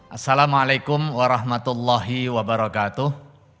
assalamualaikum warahmatullahi wabarakatuh